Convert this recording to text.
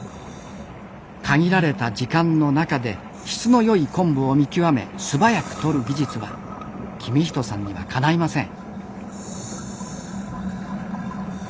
限られた時間の中で質の良い昆布を見極め素早くとる技術は公人さんにはかないません。